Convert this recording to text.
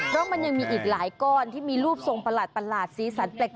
เพราะมันยังมีอีกหลายก้อนที่มีรูปทรงประหลาดสีสันแปลก